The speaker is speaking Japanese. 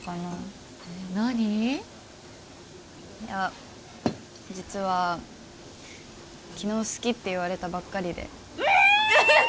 いや実は昨日好きって言われたばっかりでんーっ！